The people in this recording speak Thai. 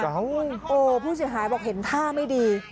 โอ้โหผู้เสียหายบอกเห็นท่าไม่ดี